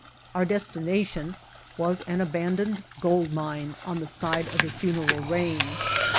Our destination was an abandoned gold mine on the side of the Funeral Range.